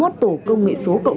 với tổng cơ sở công an phường